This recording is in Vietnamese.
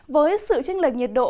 với sự chinh lệch nhiệt độ ngày hôm nay